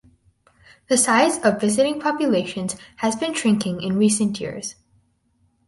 The size of visiting populations has been shrinking in recent years.